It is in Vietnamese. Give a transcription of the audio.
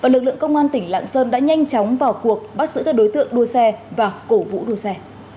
lực lượng công an tỉnh lạng sơn đã nhanh chóng vào cuộc bắt giữ các đối tượng đua xe và cổ vũ đua xe